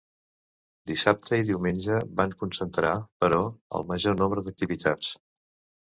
Dissabte i diumenge van concentrar, però, el major nombre d’activitats.